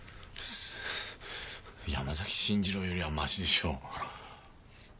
山崎信二郎よりはマシでしょう。